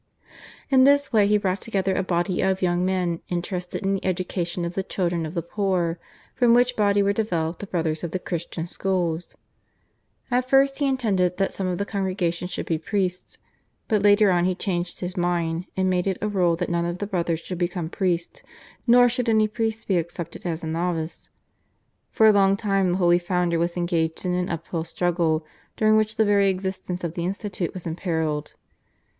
In this way he brought together a body of young men interested in the education of the children of the poor, from which body were developed the Brothers of the Christian Schools. At first he intended that some of the congregation should be priests, but later on he changed his mind, and made it a rule that none of the Brothers should become priests, nor should any priest be accepted as a novice. For a long time the holy founder was engaged in an uphill struggle during which the very existence of the institute was imperilled.